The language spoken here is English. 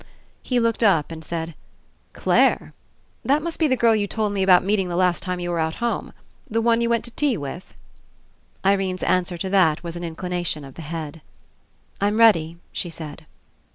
He looked up and said: "Clare? That must be the girl you told me about meeting the last time you were out home. The one you went to tea with?" Irene's answer to that was an inclina tion of the head. "I'm ready," she said.